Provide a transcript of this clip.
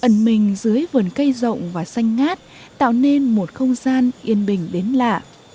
căn nhà lợp ngói liệt ẩn mình dưới vườn cây rộng và xanh ngát tạo nên một không gian yên bình đến lạ